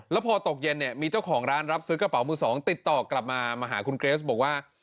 แล้วพอตกเย็นเนี่ยมีเจ้าของร้านรับซื้อกระเป๋ามือสองติดต่อกลับมามาหาคุณเกรสบอกว่า